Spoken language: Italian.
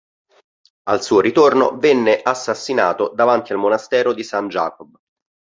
Al suo ritorno venne assassinato davanti al monastero di St. Jakob.